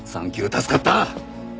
助かった！